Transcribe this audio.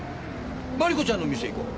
真里子ちゃんの店行こう。